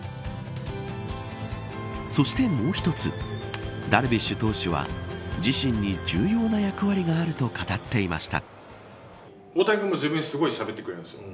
そして、もう一つダルビッシュ投手は自身に重要な役割があると語っていました。